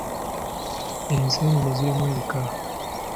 Enseenene zirimu ebika.